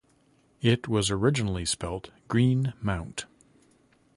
It was originally spelt Green Mount.